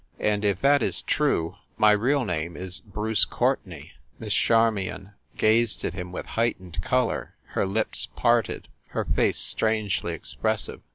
And, if that is true, my real name is Bruce Courte nay!" Miss Charmion gazed at him with heightened color, her lips parted, her face strangely expressive.